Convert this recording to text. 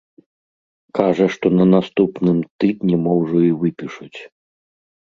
Кажа, што на наступным тыдні мо ўжо і выпішуць.